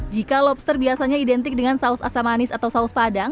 jika lobster biasanya identik dengan saus asam manis atau saus padang